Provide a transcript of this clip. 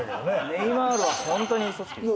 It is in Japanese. ネイマールはホントに嘘つきです。